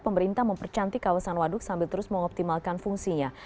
pemerintah mempercantik kawasan waduk sambil terus mengoptimalkan fungsinya